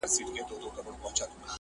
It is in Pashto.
پاچاهان لویه گوله غواړي خپل ځان ته؛